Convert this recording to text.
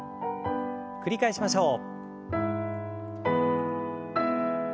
繰り返しましょう。